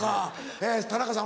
え田中さん